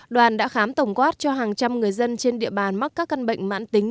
đoàn đã khám tổng quát cho hàng trăm người dân trên địa bàn mắc các căn bệnh mãn tính